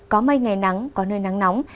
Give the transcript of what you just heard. có mây ngày nắng có nơi nắng nóng